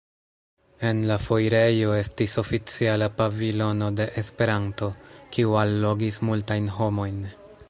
En la foirejo estis oficiala pavilono de Esperanto, kiu allogis multajn homojn.